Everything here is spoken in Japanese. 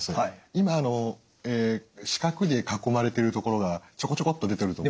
今四角で囲まれている所がちょこちょこっと出てると思います。